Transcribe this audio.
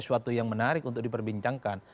sesuatu yang menarik untuk diperbincangkan